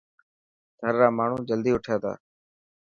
ٿر را ماڻهو جلدي اوٺي ٿا.